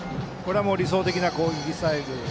理想的な攻撃スタイル。